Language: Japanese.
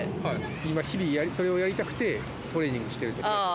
今日々それをやりたくてトレーニングしてる？